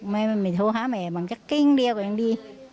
ไม้โทรหาแหม้บางจักรอิ่งเดียวกันยังได้